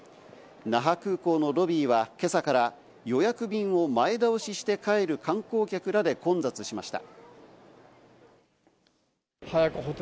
那覇空港のロビーは今朝から、予約便を前倒しして帰る観光客らで混雑しました。